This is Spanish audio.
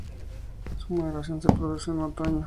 Su maduración se produce en otoño.